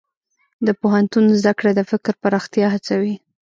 د پوهنتون زده کړه د فکر پراختیا هڅوي.